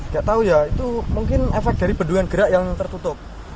gak tahu ya itu mungkin efek dari bendungan gerak yang tertutup